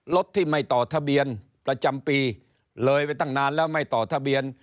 รถที่ไม่ต่อทะเบียน